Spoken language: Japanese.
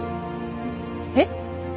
えっ？